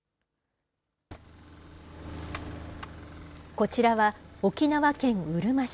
こちらは、沖縄県うるま市。